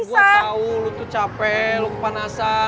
gue tau lo tuh capek lo kepanasan